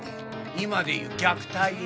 今でいう虐待や。